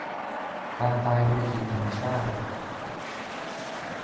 การตายโดยผิดธรรมชาติ